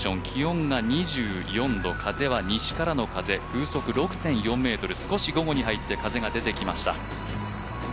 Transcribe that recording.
気温が２４度風は西からの風風速６．４ｍ、少し午後になって風が出てきました。